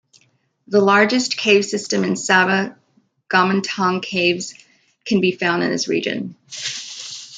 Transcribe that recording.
The largest cave system in Sabah, Gomantong Caves, can be found in this region.